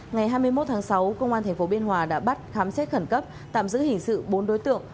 ngày hai mươi một tháng sáu công an tp biên hòa đã bắt khám xét khẩn cấp tạm giữ hình sự bốn đối tượng